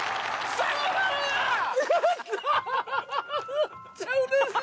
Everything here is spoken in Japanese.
めっちゃうれしい！